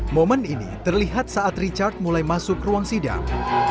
momen ini terlihat saat richard mulai masuk ruang sidang